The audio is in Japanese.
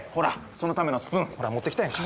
そのためのスプーン持ってきたやんか。